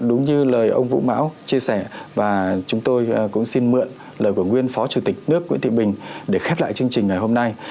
đúng như lời ông vũ mão chia sẻ và chúng tôi cũng xin mượn lời của nguyên phó chủ tịch nước nguyễn thị bình để khép lại chương trình ngày hôm nay